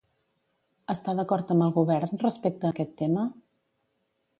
Està d'acord amb el govern respecte a aquest tema?